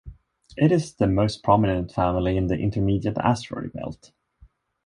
It is the most prominent family in the intermediate asteroid belt.